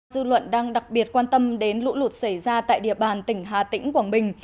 dư luận đang đặc biệt quan tâm đến lũ lụt xảy ra tại địa bàn tỉnh hà tĩnh quảng bình